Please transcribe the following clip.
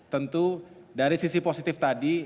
tentu dari sisi positif tadi